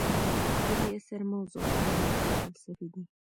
د دې اثر موضوعات اخلاقي او فلسفي دي.